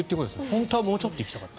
本当はもうちょっと行きたかった。